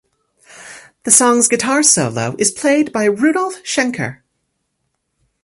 The song's guitar solo is played by Rudolf Schenker.